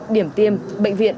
điểm tiêm bệnh viện